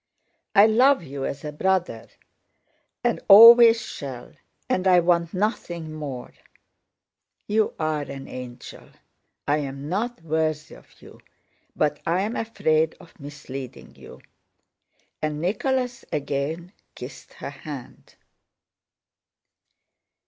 I love you as a brother and always shall, and I want nothing more." "You are an angel: I am not worthy of you, but I am afraid of misleading you." And Nicholas again kissed her hand.